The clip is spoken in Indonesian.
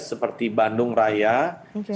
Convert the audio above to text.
seperti bandung raya semarang raya